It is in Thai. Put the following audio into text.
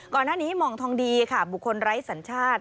ก่อนหน้านี้หมองทองดีค่ะบุคคลไร้สัญชาติ